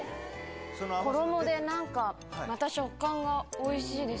衣でなんか、また食感がおいしいです。